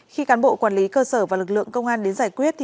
khi cán bộ quản lý cơ sở và lực lượng công an đến giải quyết